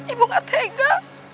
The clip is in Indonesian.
ibu nggak tega